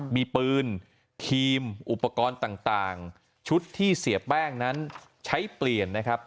มีปืนครีมอุปกรณ์ต่างชุดที่เสียแป้งนั้นใช้เปลี่ยนนะครับ